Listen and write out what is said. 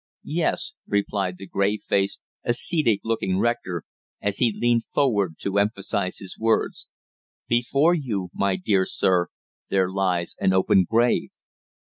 "Yes," replied the grave faced, ascetic looking rector, as he leaned forward to emphasize his words. "Before you, my dear sir, there lies an open grave.